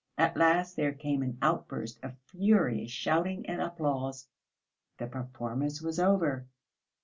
At last there came an outburst of furious shouting and applause. The performance was over.